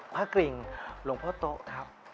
กริ่งหลวงพ่อโต๊ะครับ